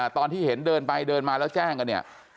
ตอนที่เห็นเดินไปเดินมาแล้วแจ้งกันเนี่ย